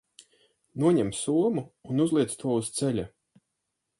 Noņem somu un uzliec to uz ceļa.